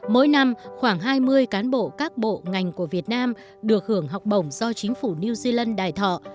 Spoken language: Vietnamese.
mỗi năm khoảng hai mươi cán bộ các bộ ngành của việt nam được hưởng học bổng do chính phủ new zealand đài thọ